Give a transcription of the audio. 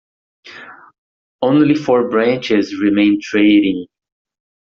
Only four branches remain trading.